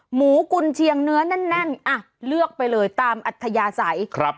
หมูกุญเชียงเนื้อแน่นอ่ะเลือกไปเลยตามอัธยาศัยครับ